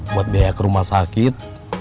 buat biaya ke rumah sakit